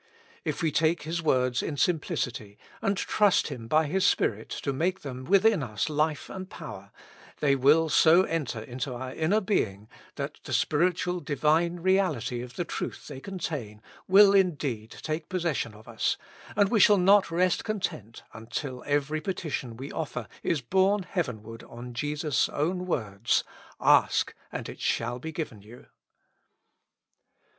If we take His words in simplicity, and trust Him by His Spirit to make them within us life and power, they will so enter into our inner being, that the spiritual Divine reality of the truth they con tain will indeed take possession of us, and we shall not rest content until every petition we offer is borne heavenward on Jesus' own words: "Ask, and it shall be given you."